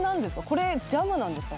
これジャムなんですか？